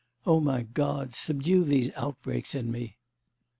O my God, subdue these outbreaks in me!